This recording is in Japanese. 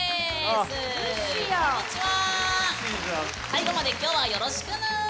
最後まで今日はよろしくぬん。